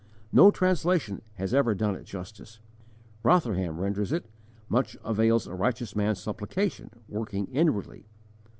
No translation has ever done it justice. Rotherham renders it: "Much avails a righteous man's supplication, working inwardly."